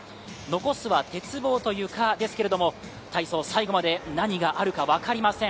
残すは鉄棒とゆかですけれども、体操、最後まで何があるか分かりません。